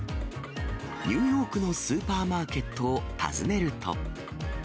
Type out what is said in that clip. ニューヨークのスーパーマーケットを訪ねると。